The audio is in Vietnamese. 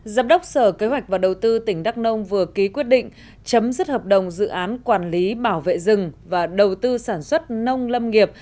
giám đốc sở kế hoạch và đầu tư tỉnh đắk nông vừa ký quyết định chấm dứt hợp đồng dự án quản lý bảo vệ rừng và đầu tư sản xuất nông lâm nghiệp